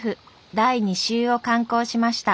第２集を刊行しました。